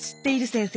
先生